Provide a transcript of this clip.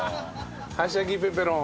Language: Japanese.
はしゃぎペペロン。